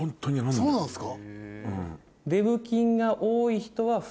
そうなんですか？